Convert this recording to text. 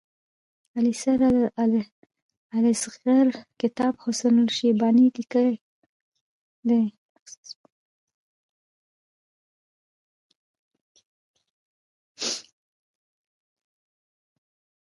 السير الصغير کتاب حسن الشيباني ليکی دی.